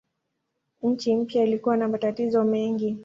Nchi mpya ilikuwa na matatizo mengi.